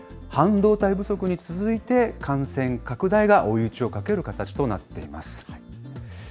半導体不足に続いて、感染拡大が追い打ちをかける形となっています。